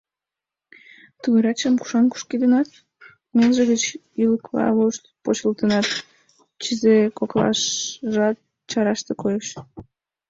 — Тувыретшым кушан кушкедынат? — мелже гыч ӱлыкыла вошт почылтынат, чызе коклажат чараште коеш.